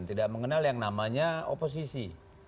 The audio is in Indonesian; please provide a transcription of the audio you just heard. tidak mengenal yang namanya oposisi